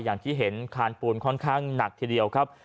อย่างที่เห็นคานปูนค่อนข้างหนักทีเดียวครับ